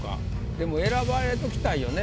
でも選ばれときたいよね